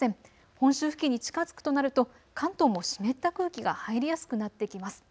本州付近に近づくとなると関東も湿った空気が入りやすくなってきます。